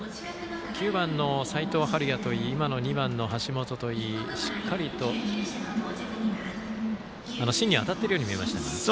９番の齋藤敏哉といい今の２番の橋本といいしっかりと芯に当たっているように見えましたが。